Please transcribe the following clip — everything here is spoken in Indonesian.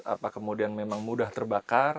apa kemudian memang mudah terbakar